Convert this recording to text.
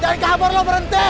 jangan kabur lo berhenti